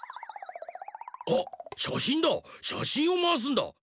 あっしゃしんだしゃしんをまわすんだ。